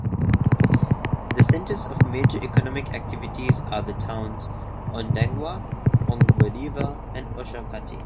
The centres of major economic activity are the towns Ondangwa, Ongwediva and Oshakati.